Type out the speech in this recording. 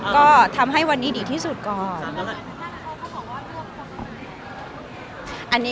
ก็ทำให้วันนี้ดีที่สุดก่อน